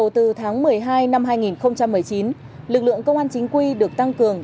từ tháng một mươi hai năm hai nghìn một mươi chín lực lượng công an chính quy được tăng cường